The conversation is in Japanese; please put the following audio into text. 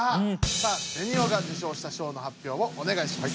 さあベニオが受賞した賞の発表をおねがいします。